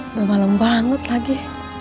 udah malem banget lagi